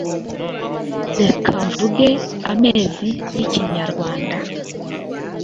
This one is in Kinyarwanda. Reka mvuge amezi y’ikinyarwanda